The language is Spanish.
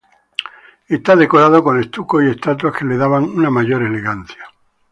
Estaba decorado con estucos y estatuas que le daban una mayor elegancia.